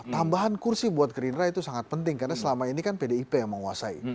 tambahan kursi buat gerindra itu sangat penting karena selama ini kan pdip yang menguasai